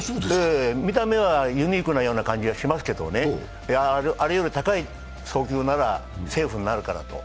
見た目はユニークなような感じがしますけどね、あれより高い送球ならセーフになるからと。